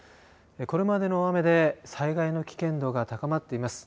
これまでの雨で災害の危険度が高まっています。